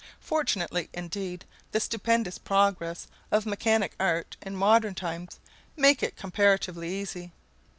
Fortunately, indeed, the stupendous progress of mechanic art in modern times makes it comparatively easy.